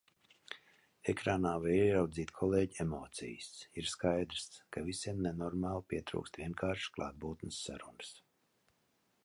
Ekrānā var ieraudzīt kolēģu emocijas. ir skaidrs, ka visiem nenormāli pietrūkst vienkāršas klātbūtnes sarunas.